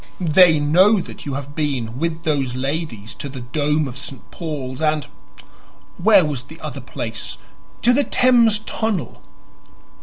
They know that you have been with those ladies to the dome of St. Paul's and where was the other place? to the Thames Tunnel."